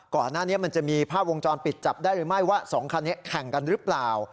ก่อนหน้านี้มันจะมีภาพวงจรปิดจับได้หรือไม่ว่าสองคันนี้แข่งกันหรือเปล่า